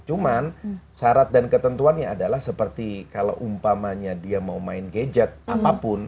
cuman syarat dan ketentuannya adalah seperti kalau umpamanya dia mau main gadget apapun